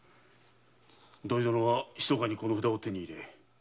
土井殿は密かにこの札を手に入れた。